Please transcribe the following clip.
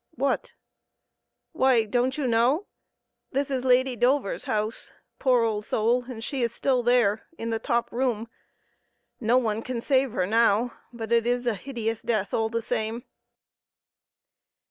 "What?" "Why, don't you know? This is Lady Dover's house poor old soul! and she is still there, in the top room. No one can save her now, but it is a hideous death all the same."